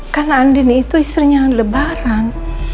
kan andin itu istrinya lebaran